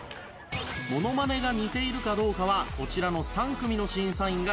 ものまねが似ているかどうかはこちらの３組の審査員が評価。